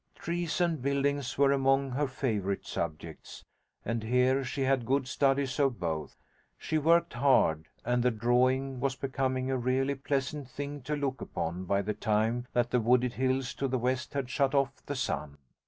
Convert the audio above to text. Trees and buildings were among her favourite subjects, and here she had good studies of both. She worked hard, and the drawing was becoming a really pleasant thing to look upon by the time that the wooded hills to the west had shut off the sun.